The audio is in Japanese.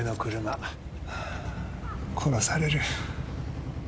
殺される。